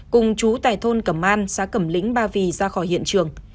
cùng chú tại thôn cẩm an xã cẩm lĩnh ba vì ra khỏi hiện trường